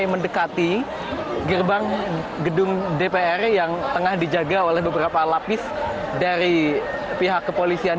mendekati gerbang gedung dpr yang tengah dijaga oleh beberapa lapis dari pihak kepolisian